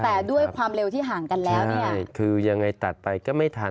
แต่ด้วยความเร็วที่ห่างกันแล้วเนี่ยคือยังไงตัดไปก็ไม่ทัน